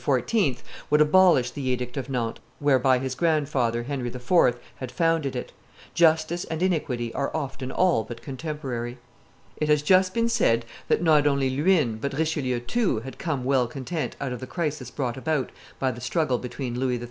would abolish the edict of Nantes whereby his grandfather, Henry IV., had founded it. Justice and iniquity are often all but contemporary. It has just been said that not only Luynes, but Richelieu too, had come well content out of the crisis brought about by the struggle between Louis XIII.